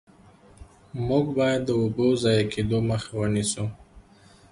موږ باید د اوبو ضایع کیدو مخه ونیسو.